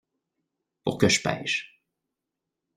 Pour que je pêche.